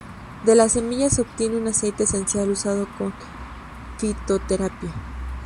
De las semillas se obtiene un aceite esencial usado en fitoterapia.